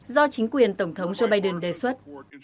do chính quyền tổng thống joe biden đề xuất